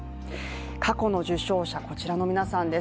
過去の受賞者、こちらの皆さんです。